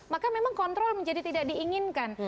maka memang kontrol menjadi tidak diinginkan